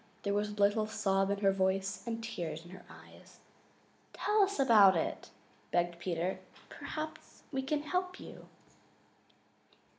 There was a little sob in her voice and tears in her eyes. "Tell us all about it," begged Peter. "Perhaps we can help you."